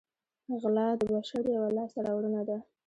غلا د بشر یوه لاسته راوړنه ده